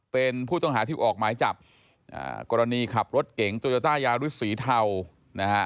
เป็นผู้ต้องหาที่ออกหมายจับกรณีขับรถเก๋งโตโยต้ายาริสสีเทานะฮะ